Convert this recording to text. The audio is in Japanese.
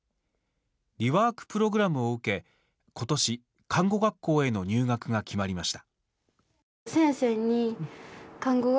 リワークプログラムを受けことし、看護学校への入学が決まりました。